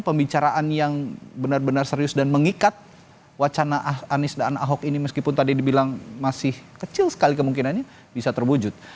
pembicaraan yang benar benar serius dan mengikat wacana anies dan ahok ini meskipun tadi dibilang masih kecil sekali kemungkinannya bisa terwujud